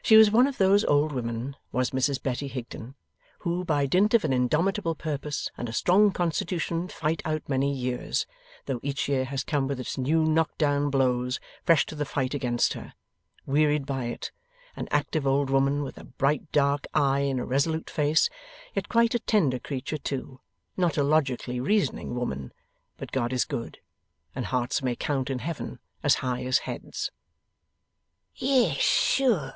She was one of those old women, was Mrs Betty Higden, who by dint of an indomitable purpose and a strong constitution fight out many years, though each year has come with its new knock down blows fresh to the fight against her, wearied by it; an active old woman, with a bright dark eye and a resolute face, yet quite a tender creature too; not a logically reasoning woman, but God is good, and hearts may count in Heaven as high as heads. 'Yes sure!